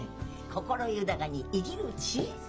心豊かに生きる知恵。